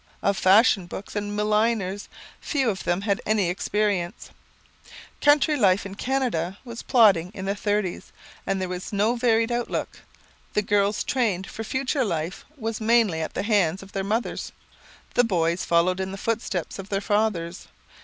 Of fashion books and milliners, few of them had any experiences. Country life in Canada was plodding in the "Thirties" and there was no varied outlook. The girls' training for future life was mainly at the hands of their mothers; the boys followed in the footsteps of their fathers.